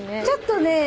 ちょっとね